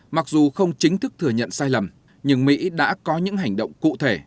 mặc dù không chính thức thừa nhận sai lầm nhưng mỹ đã có những hành động cụ thể